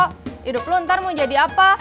hidup lu ntar mau jadi apa